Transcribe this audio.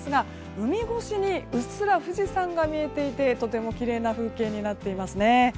海越しにうっすら富士山が見えていてとてもきれいな風景になっていますね。